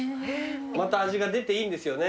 また味が出ていいんですよね。